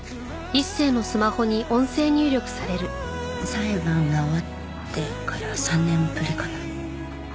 裁判が終わってから３年ぶりかな。